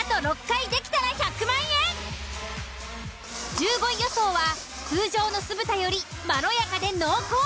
１５位予想は通常の酢豚よりまろやかで濃厚。